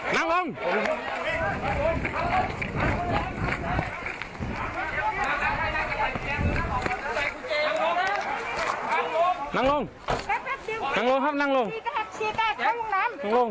นั่งลงนั่งลง